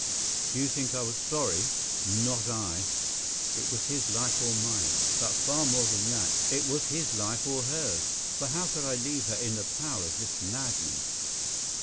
Do you think I was sorry? Not I! It was his life or mine, but far more than that, it was his life or hers, for how could I leave her in the power of this madman?